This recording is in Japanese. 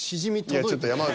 いやちょっと山内。